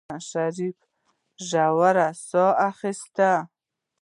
شريف ژوره سا اخېستله.